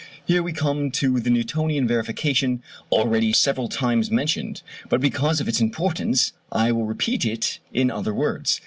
Here we come to the Newtonian verification already several times mentioned; but because of its importance I will repeat it in other words.